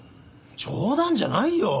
冗談じゃないよ！